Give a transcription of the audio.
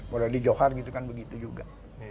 boleh di johar gitu kan begitu juga